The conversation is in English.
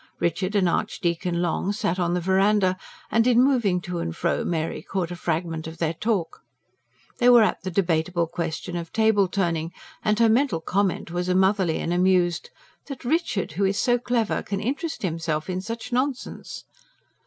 Richard and Archdeacon Long sat on the verandah, and in moving to and fro, Mary caught a fragment of their talk: they were at the debatable question of table turning, and her mental comment was a motherly and amused: "That Richard, who is so clever, can interest himself in such nonsense!"